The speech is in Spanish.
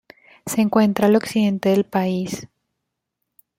Se encuentra al Occidente del país.